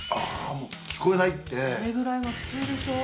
もう聞こえないってこれぐらいが普通でしょ？